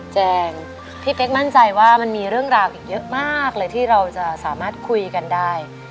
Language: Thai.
แจงพี่เป๊กมั่นใจว่ามันมีเรื่องราวอีกเยอะมากเลยที่เราจะสามารถคุยกันได้